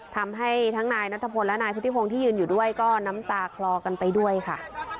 ทำให้ทั้งนายนัทพลและนายพุทธิพงศ์ที่ยืนอยู่ด้วยก็น้ำตาคลอกันไปด้วยค่ะ